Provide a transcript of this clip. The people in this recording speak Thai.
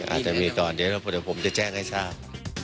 อาจจะมีก่อนเดี๋ยวผมจะแจ้งให้ทราบ